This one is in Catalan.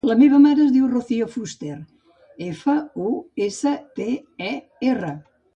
La meva mare es diu Rocío Fuster: efa, u, essa, te, e, erra.